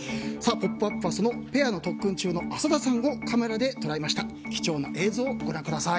「ポップＵＰ！」はそのペアの特訓中の浅田さんをカメラで捉えました。